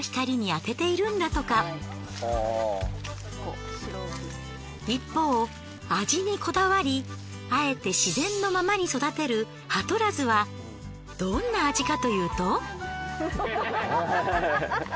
リンゴは一方味にこだわりあえて自然のままに育てる葉とらずはどんな味かというと。